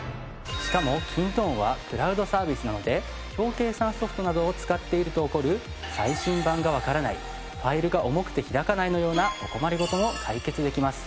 しかもｋｉｎｔｏｎｅはクラウドサービスなので表計算ソフトなどを使っていると起こる最新版がわからないファイルが重くて開かないのようなお困り事も解決できます。